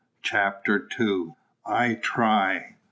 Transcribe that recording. CHAPTER II. I TRY.